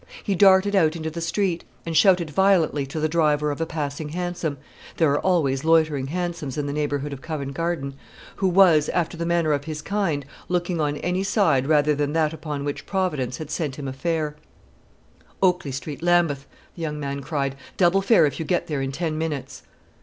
He darted out into the street, and shouted violently to the driver of a passing hansom, there are always loitering hansoms in the neighbourhood of Covent Garden, who was, after the manner of his kind, looking on any side rather than that upon which Providence had sent him a fare. "Oakley Street, Lambeth," the young man cried. "Double fare if you get there in ten minutes."